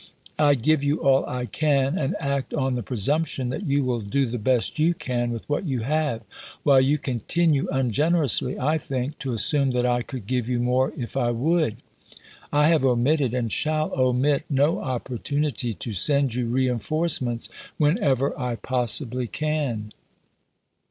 I give you all I can, and act on the presumption that you wiU do the best you can with what you have, while you continue, ungenerously I think, to assume that I could give you more if I would. I have omitted, and shall omit, no op portunity to send you reenf orcements whenever I possibly can.